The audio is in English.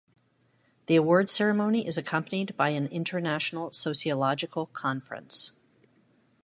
The award ceremony is accompanied by an international sociological conference.